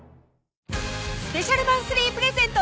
スペシャルマンスリープレゼント